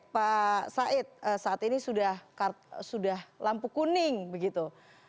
pak said saat ini sudah lampu kuning begitu